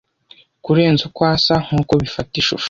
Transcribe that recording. Kurenza uko usa nkuko bifata ishusho.